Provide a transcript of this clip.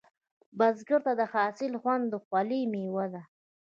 بزګر ته د حاصل خوند د خولې میوه ده